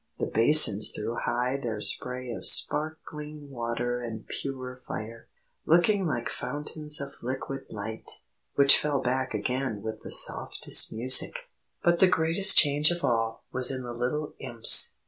The basins threw high their spray of sparkling water and pure fire, looking like fountains of liquid light, which fell back again with the softest music. But the greatest change of all was in the little Imps.